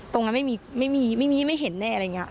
ตรงนั้นไม่มีไม่เห็นแน่อะไรเงี้ย